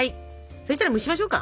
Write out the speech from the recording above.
そしたら蒸しましょうか。